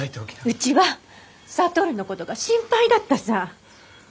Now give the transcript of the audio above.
うちは智のことが心配だったさぁ。